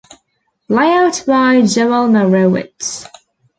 Layout by Joel Marrowitz.